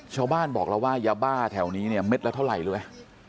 ชาวบ้านบอกเราว่ายาบ้านแถวนี้เนี่ยเม็ดแล้วเท่าไหร่ด้วย